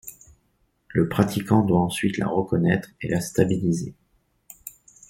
Le pratiquant doit ensuite la reconnaître et la stabiliser.